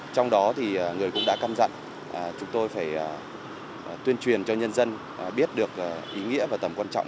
trong đó thì người cũng đã căn dặn chúng tôi phải tuyên truyền cho nhân dân biết được ý nghĩa và tầm quan trọng